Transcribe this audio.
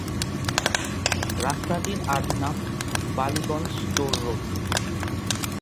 রাস্তাটির আদি নাম বালিগঞ্জ স্টোর রোড।